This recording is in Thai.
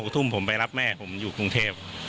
ทุ่มผมไปรับแม่ผมอยู่กรุงเทพ